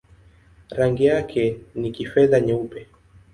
Rangi yake ni kifedha-nyeupe.